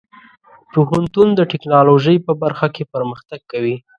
پوهنتون د ټیکنالوژۍ په برخه کې پرمختګ کوي.